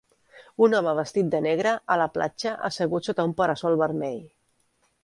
Un home vestit de negre a la platja assegut sota un para-sol vermell.